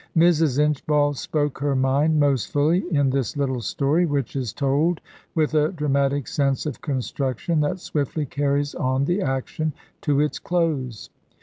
Mrs. Inchbald spoke her mind most fully in this little story, which is told with a dramatic sense of construction that swiftly carries on the action to its close.